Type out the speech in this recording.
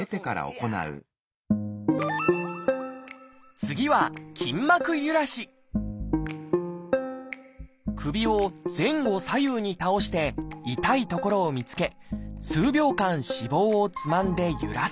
次は首を前後左右に倒して痛い所を見つけ数秒間脂肪をつまんでゆらす。